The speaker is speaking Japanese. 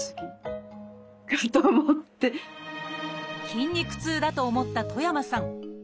筋肉痛だと思った戸山さん